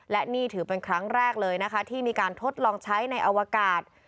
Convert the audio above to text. และนี่ถือเป็นครั้งแรกเลยนะคะที่มีการทดลองใช้ในอวกาศ